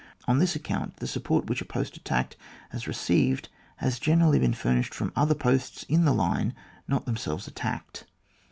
On this account the support which a post attacked has received, has generally been furnished from other posts in the line not themselves attacked.